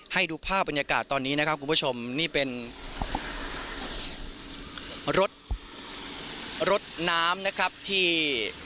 ให้ดูภาพบรรยากาศตอนนี้นะครับคุณผู้ชมนี่เป็นรถรถน้ำนะครับที่